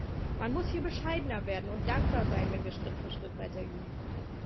Man muss hier bescheidener werden und dankbar sein, wenn wir Schritt für Schritt weitergehen.